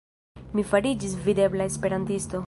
Mi fariĝis videbla esperantisto.